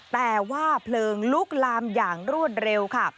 แต่ว่าเพลิงลุกลามอย่างรวดเร็วค่ะ